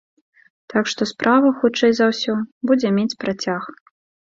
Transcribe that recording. Так што справа, хутчэй за ўсё, будзе мець працяг.